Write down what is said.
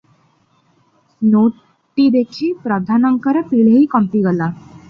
ନୋଟଟି ଦେଖି ପ୍ରଧାନଙ୍କର ପିହ୍ଳେଇ କମ୍ପିଗଲା ।